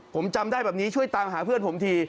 ผมจำได้แบบนี้ช่วยตามหาเพื่อนผมที